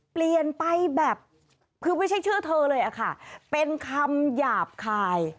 เปลี่ยนไปแบบคือไม่ใช่ชื่อเธอเลยอะค่ะเป็นคำหยาบคาย